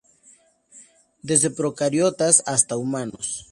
Desde procariotas hasta humanos.